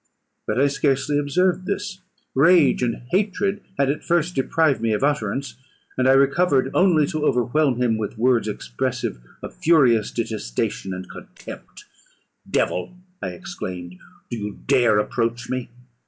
But I scarcely observed this; rage and hatred had at first deprived me of utterance, and I recovered only to overwhelm him with words expressive of furious detestation and contempt. "Devil," I exclaimed, "do you dare approach me?